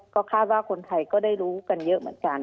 ก็คาดว่าคนไทยก็ได้รู้กันเยอะเหมือนกัน